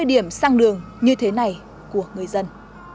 điểm sang đường như thế này của người dân